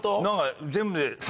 何か全部で。